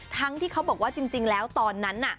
ทั้งที่เขาบอกว่าจริงแล้วตอนนั้นน่ะ